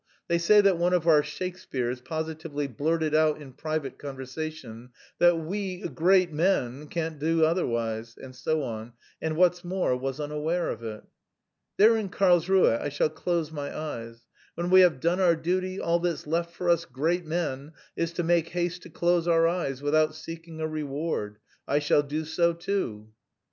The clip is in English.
They say that one of our Shakespeares positively blurted out in private conversation that "we great men can't do otherwise," and so on, and, what's more, was unaware of it. "There in Karlsruhe I shall close my eyes. When we have done our duty, all that's left for us great men is to make haste to close our eyes without seeking a reward. I shall do so too."